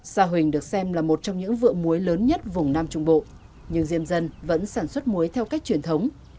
sa huỳnh được xem là một trong những vựa muối lớn nhất vùng nam trung bộ nhưng diêm dân vẫn sản xuất muối theo cách truyền thống